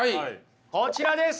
こちらです！